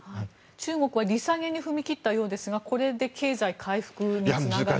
中国は利下げに踏み切ったようですがこれで経済回復につながりりますか。